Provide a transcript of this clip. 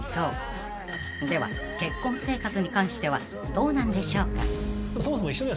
［では結婚生活に関してはどうなんでしょうか］